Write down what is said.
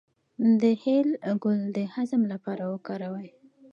د هل ګل د هضم لپاره وکاروئ